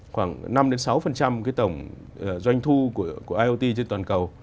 khoảng năm sáu cái tổng doanh thu của iot trên toàn cầu